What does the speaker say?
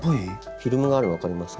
フィルムがあるの分かりますか？